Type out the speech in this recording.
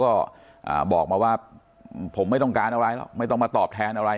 ก็บอกมาว่าผมไม่ต้องการอะไรหรอกไม่ต้องมาตอบแทนอะไร